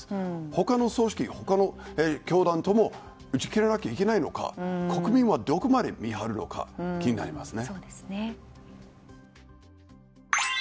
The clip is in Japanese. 他の組織、他の教団とも断ち切らないといけないのか国民はどこまで見張るのか気になりますね。